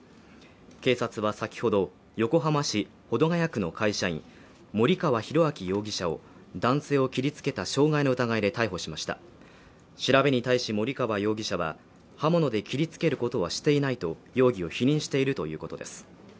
警察は先ほど横浜市保土ケ谷区の会社員森川浩昭容疑者を男性を切りつけた傷害の疑いで逮捕しました調べに対し森川容疑者は刃物で切りつけることはしていないと容疑を否認しているということです